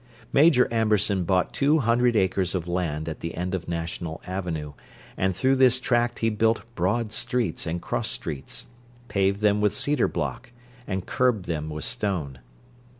Major Amberson bought two hundred acres of land at the end of National Avenue; and through this tract he built broad streets and cross streets; paved them with cedar block, and curbed them with stone.